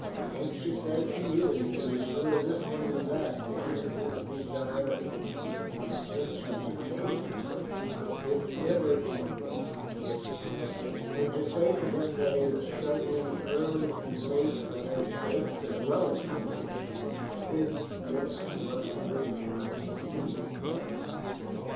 Anxious as he is to assure this one and that one of his desire and intention to pay them, if ever in his power, and to say to them that he is struggling early and late for their sakes as well as his own, his lips must remain sealed.